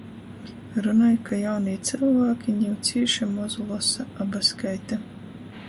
Runoj, ka jaunī cylvāki niu cīši moz losa aba skaita.